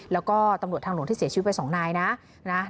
แล้วก็ตำรวจทางโหลดที่เสียชีวิตไป๒นาย